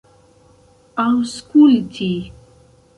aŭskulti